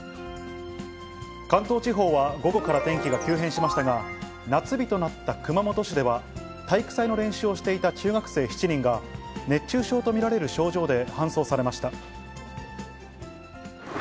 関東地方は午後から天気が急変しましたが、夏日となった熊本市では、体育祭の練習をしていた中学生７人が、熱中症と見られる症状で搬送されました。